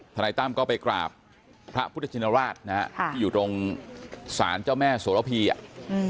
นายตั้มก็ไปกราบพระพุทธชินราชนะฮะค่ะที่อยู่ตรงศาลเจ้าแม่โสระพีอ่ะอืม